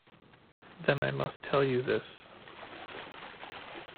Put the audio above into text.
Then I must tell you this.